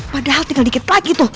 padahal tinggal dikit lagi tuh